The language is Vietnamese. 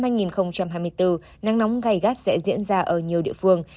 năm hai nghìn hai mươi bốn nắng nóng gai gắt sẽ diễn ra ở nhiều địa phương